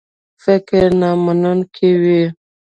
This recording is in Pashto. فکر نامنونکی وي.